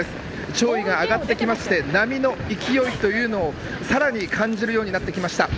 潮位が上がってきて波の勢いというのをさらに感じるようになってきました。